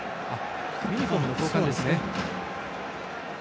ユニフォームの交換ですね。